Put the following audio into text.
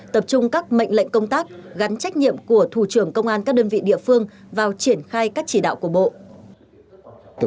tập trung các mệnh lệnh công tác gắn trách nhiệm của thủ trưởng công an các đơn vị địa phương vào triển khai các chỉ đạo của bộ